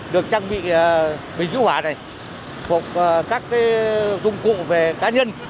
được trang bị bình dữ hỏa này phục các dụng cụ về cá nhân